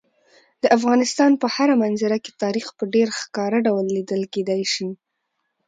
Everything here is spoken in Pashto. د افغانستان په هره منظره کې تاریخ په ډېر ښکاره ډول لیدل کېدی شي.